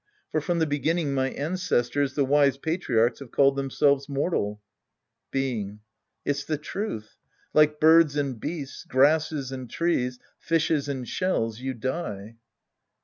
For from the beginning, my ancestors, the wise patri archs, have called themselves mortal. Being. It's the truth. Like birds and beasts, grasses and trees, fishes and shells, you die.